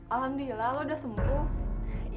alhamdulillah lo udah sembuh